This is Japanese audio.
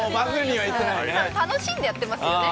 楽しんでやってますよね。